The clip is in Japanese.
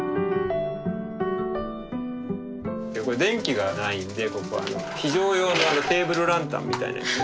電気がないんでここあの非常用のテーブルランタンみたいなやつ。